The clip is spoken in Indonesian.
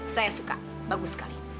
saya suka bagus sekali